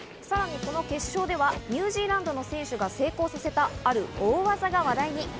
さらにこの決勝ではニュージーランドの選手が成功させた、ある大技が話題に。